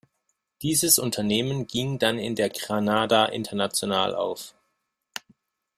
Dieses Unternehmen ging dann in der "Granada International" auf.